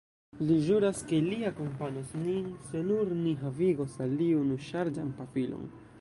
Li ĵuras, ke li akompanos nin, se nur ni havigos al li unuŝargan pafilon.